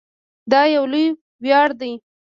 دا یو لوی ویاړ دی.